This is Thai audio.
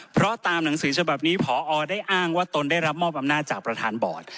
เพราะตามหนังสือฉบับนี้พอได้อ้างว่าตนได้รับมอบอำนาจจากประธานบอร์ด